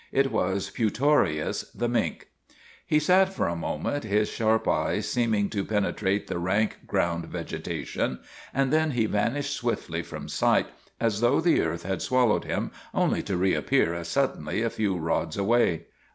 It was Putorius, the mink. He sat for a moment, his sharp eyes seeming to penetrate the rank ground vegetation, and then he vanished swiftly from sight, as though the earth had swallowed him, only to reappear as suddenly a few rods away.